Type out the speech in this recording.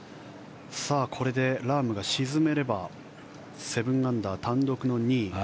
さあ、これでラームが沈めれば７アンダー、単独の２位。